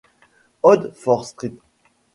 Ode for St.